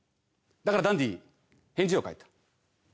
だからダンディ返事を書いた。